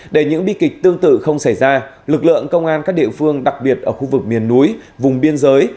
để những bi kịch tương tự không xảy ra lực lượng công an các địa phương đặc biệt ở khu vực miền núi vùng biên giới